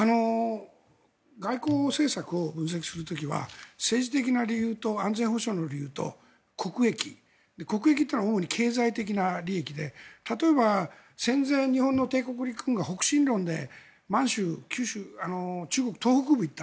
外交政策を分析する時は政治的な理由と安全保障の理由と国益。国益というのは主に経済的な利益で例えば戦前日本の帝国陸軍が北進論で満州、中国東北部に行った。